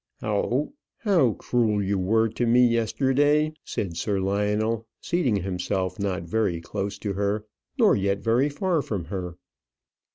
"How cruel you were to me yesterday!" said Sir Lionel, seating himself not very close to her nor yet very far from her.